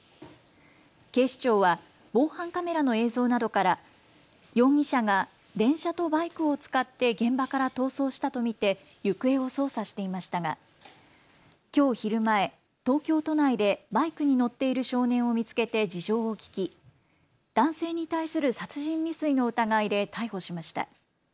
警視庁は防犯カメラの映像などから容疑者が電車とバイクを使って現場から逃走したと見て行方を捜査していましたが、きょう昼前、東京都内でバイクに乗っている少年を見つけて事情を聴き、男性に対する殺人未遂の疑いで逮捕しました。